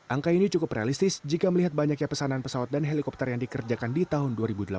angka ini cukup realistis jika melihat banyaknya pesanan pesawat dan helikopter yang dikerjakan di tahun dua ribu delapan belas